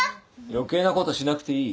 余計なことしなくていい。